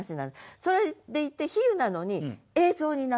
それでいて比喩なのに映像になっている。